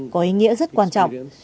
có ý nghĩa rất quan trọng